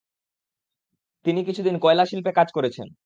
তিনি কিছুদিন কয়লাশিল্পে কাজ করেছেন।